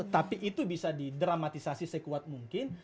tapi itu bisa didramatisasi sekuat mungkin